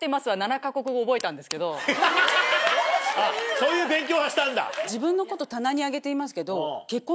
そういう勉強はしたんだ。